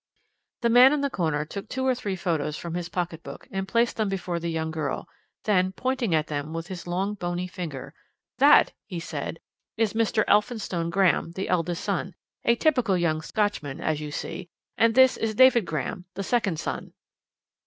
'" The man in the corner took two or three photos from his pocket book and placed them before the young girl; then, pointing at them with his long bony finger "That," he said, "is Mr. Elphinstone Graham, the eldest son, a typical young Scotchman, as you see, and this is David Graham, the second son."